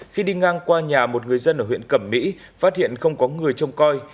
khi đi ngang qua nhà một người dân ở huyện cẩm mỹ phát hiện không có người trông coi